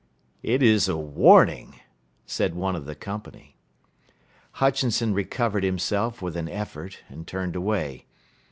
"It is a warning," said one of the company. Hutchinson recovered himself with an effort and turned away.